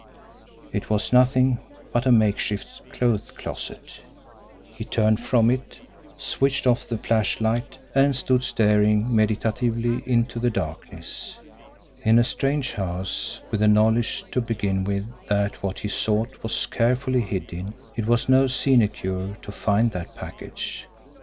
It was nothing but a make shift clothes closet. He turned from it, switched off the flashlight, and stood staring meditatively into the darkness. In a strange house, with the knowledge to begin with that what he sought was carefully hidden, it was no sinecure to find that package.